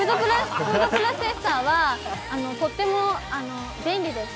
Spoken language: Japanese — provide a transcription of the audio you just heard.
フードプロセッサーはとっても便利です